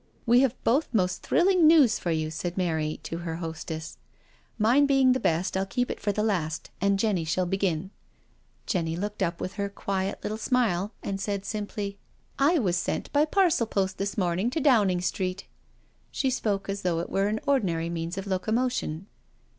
" We have both most thrilling news for you," said Mary to her hostess. " Mine being the best, I'll keep it for the last, and Jenny shall begin." Jenny looked up with her quiet little smile and said simply: 154 NO SURRENDER " I was sent by Parcel Post this morning to Down* ing Street." She spoke as though it were an ordinary means of locomotion.